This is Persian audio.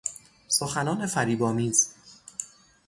سخنان فریبآمیز